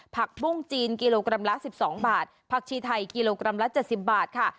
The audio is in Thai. ผักบุ้งจีนกิโลกรัมละ๑๒บาทผักชีไทยกิโลกรัมละ๗๐บาทค่ะ